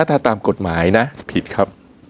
ถ้าตามกฎหมายนะผิดครับ